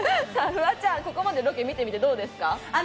フワちゃん、ここまでロケどうですか？